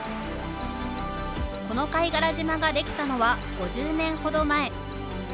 この貝殻島が出来たのは５０年ほど前。